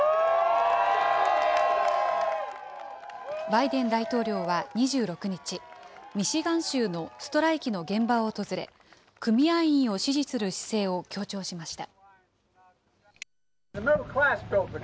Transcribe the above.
バイデン大統領は２６日、ミシガン州のストライキの現場を訪れ、組合員を支持する姿勢を強調しました。